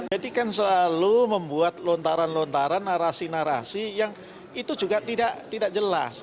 jadi kan selalu membuat lontaran lontaran narasi narasi yang itu juga tidak jelas